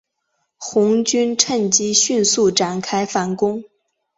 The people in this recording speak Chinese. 红军乘机迅速展开反攻。